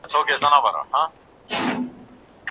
د پښتنو په موسیقۍ کې دغه سندرې ځانګړی لحن لري.